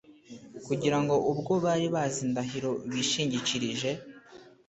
kugira ngo ubwo bari bazi indahiro bishingikirije,